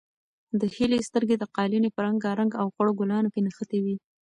د هیلې سترګې د قالینې په رنګارنګ او خړو ګلانو کې نښتې وې.